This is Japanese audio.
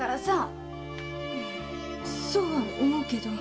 そう思うけど。